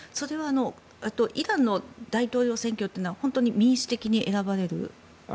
イランの大統領選挙というのは本当に民主的に選ばれる。